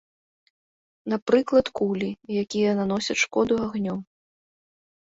Напрыклад, кулі, якія наносяць шкоду агнём.